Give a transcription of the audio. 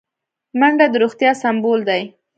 منډه د روغتیا سمبول دی